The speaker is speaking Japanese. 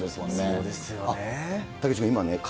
そうですよね。